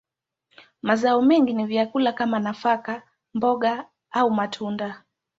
Mazao mengi ni vyakula kama nafaka, mboga, au matunda.